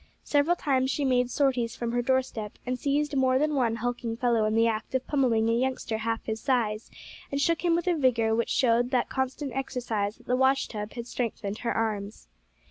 Several times she made sorties from her doorstep, and seized more than one hulking fellow in the act of pummelling a youngster half his size, and shook him with a vigour which showed that constant exercise at the wash tub had strengthened her arms.